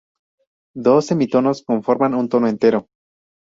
Dos semitonos conforman un tono entero.